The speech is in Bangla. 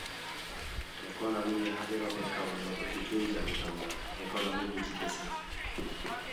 তখন আমি ইহাদের অপেক্ষা উন্নত কিছুই জানিতাম না, এখন আমি বুঝিতেছি।